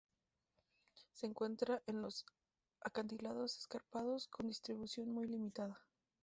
Se encuentra en los acantilados escarpados, con distribución muy limitada.